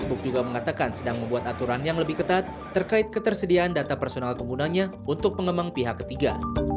facebook juga mengatakan sedang membuat aturan yang lebih ketat terkait ketersediaan data personal penggunanya untuk pengembang pihak ketiga